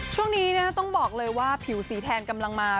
ช่วงนี้ต้องบอกเลยว่าผิวสีแทนกำลังมา